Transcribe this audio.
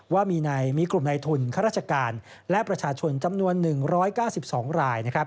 ว่ามีกลุ่มในทุนข้าราชการและประชาชนจำนวน๑๙๒ราย